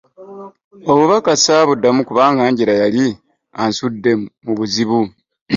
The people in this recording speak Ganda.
Obubaka ssaabuddamu kuba Angela yali ansudde mu buzibu.